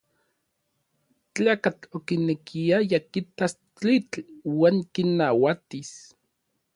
Tlakatl okinekiaya kitas tlitl uan kinauatis.